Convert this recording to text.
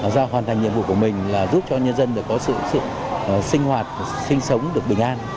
do hoàn thành nhiệm vụ của mình là giúp cho nhân dân được có sự sinh hoạt sinh sống được bình an